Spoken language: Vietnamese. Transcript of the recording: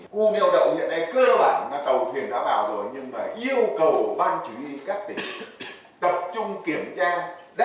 khu đeo đậu hiện nay cơ bản là tàu thuyền đã bảo rồi nhưng mà yêu cầu ban chí các tỉnh tập trung kiểm tra